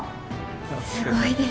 すごいです。